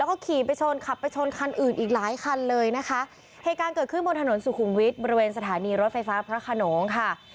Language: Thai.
แล้วก็ขี่ไปชนขับไปชนคันอื่นอีกหลายคันเลยนะคะเหตุการณ์เกิดขึ้นบนถนนสุขุมวิทย์บริเวณสถานีรถไฟฟ้าพระขนงค่ะ